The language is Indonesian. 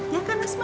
ya kan asma